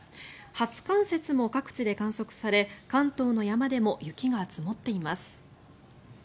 初冠雪も各地で観測され関東の山でも雪が積もっています。